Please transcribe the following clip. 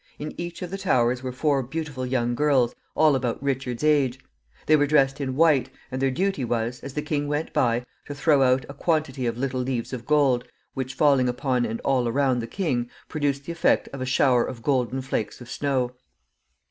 In each of the towers were four beautiful young girls, all about Richard's age. They were dressed in white, and their duty was, as the king went by, to throw out a quantity of little leaves of gold, which, falling upon and all around the king, produced the effect of a shower of golden flakes of snow.